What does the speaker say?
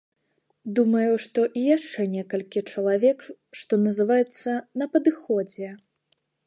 Думаю, што і яшчэ некалькі чалавек, што называецца, на падыходзе.